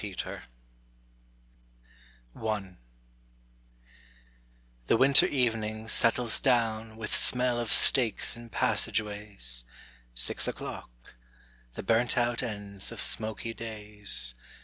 Preludes I The winter evening settles down With smell of steaks in passageways. Six oâclock. The burnt out ends of smoky days.